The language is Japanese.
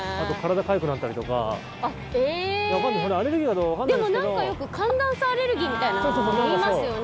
でも、なんかよく寒暖差アレルギーみたいなのいいますよね。